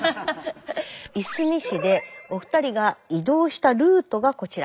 いすみ市でお二人が移動したルートがこちら。